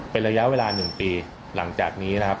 เป็นระยะเวลา๑ปีหลังจากนี้นะครับ